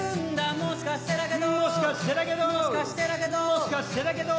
もしかしてだけど